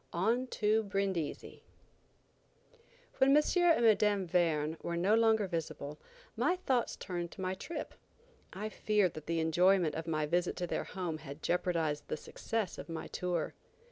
ON TO BRINDISI. WHEN M. and Mme. Verne were no longer visible, my thoughts turned to my trip. I feared that the enjoyment of my visit to their home had jeopardized the success of my tour.